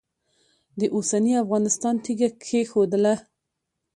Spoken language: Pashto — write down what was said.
د اوسني افغانستان تیږه کښېښودله.